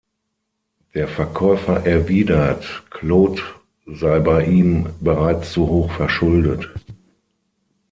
Der Verkäufer erwidert, Claude sei bei ihm bereits zu hoch verschuldet.